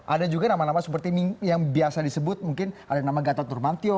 ada juga nama nama seperti yang biasa disebut mungkin ada nama gatot nurmantio